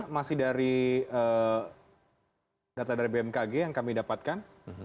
masih dari data dari bmkg yang kami dapatkan